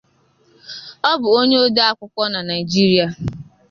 Ọ bu onye ọdee akwụkwọ na Naịjirịa.